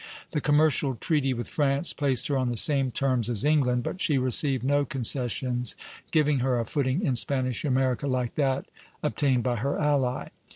The commercial treaty with France placed her on the same terms as England, but she received no concessions giving her a footing in Spanish America like that obtained by her ally.